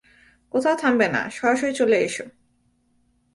কোথাও থামবে না, সরাসরি চলে এসো।